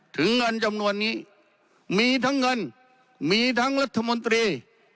ถึงเงินจำนวนนี้มีทั้งเงินมีทั้งรัฐมนตรี